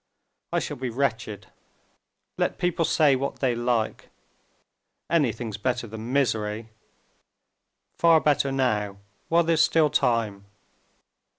"I shall be wretched. Let people say what they like; anything's better than misery.... Far better now while there's still time...."